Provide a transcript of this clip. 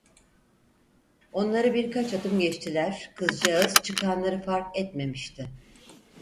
Onları birkaç adım geçtiler, kızcağız çıkanları fark etmemişti.